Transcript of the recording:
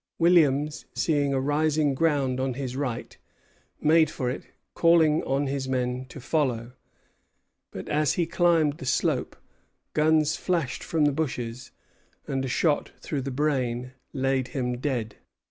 Williams, seeing a rising ground on his right, made for it, calling on his men to follow; but as he climbed the slope, guns flashed from the bushes, and a shot through the brain laid him dead.